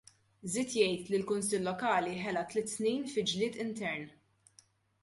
Żied jgħid li l-Kunsill Lokali ħela tliet snin fi ġlied intern.